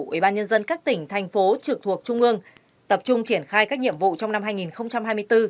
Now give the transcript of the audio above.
ubnd các tỉnh thành phố trực thuộc trung ương tập trung triển khai các nhiệm vụ trong năm hai nghìn hai mươi bốn